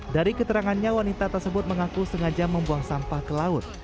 dari keterangannya wanita tersebut mengaku sengaja membuang sampah ke laut